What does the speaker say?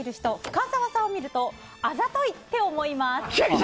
深澤さんを見るとあざとい！って思います。